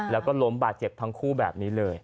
แล้วก็ล้มบาดเจ็บทั้งคู่แบบนี้เลย